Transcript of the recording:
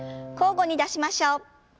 交互に出しましょう。